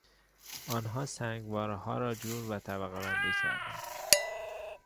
آنها سنگوارهها را جور و طبقهبندی کردند.